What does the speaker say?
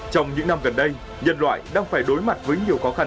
trong những năm gần đây nhân loại đang phải đối mặt với nhiều khó khăn